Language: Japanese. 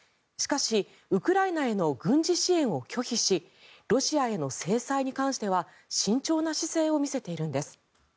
しかし、ウクライナへの軍事支援を拒否しロシアへの制裁に関しては慎重な姿勢を見せているんです。